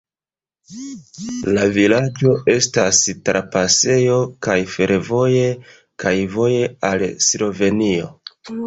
La vilaĝo estas trapasejo kaj fervoje, kaj voje al Slovenio.